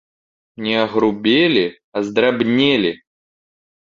Не агрубелі, а здрабнелі!